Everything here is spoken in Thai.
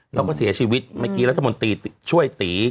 แล้วก็เสียชีวิตเมื่อกี้รัฐมนตรีช่วยตี